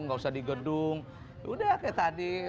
nggak usah di gedung udah kayak tadi